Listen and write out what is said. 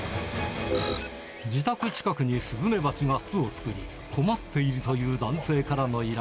自宅近くにスズメバチが巣を作り、困っているという男性からの依頼。